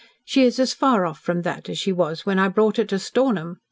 "She is as far off from that as she was when I brought her to Stornham.